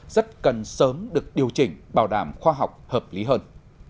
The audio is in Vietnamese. rất cần sớm được điều chỉnh bảo đảm khoa học hợp lý hơn